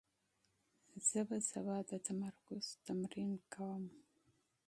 زه به سبا د تمرکز تمرین کوم.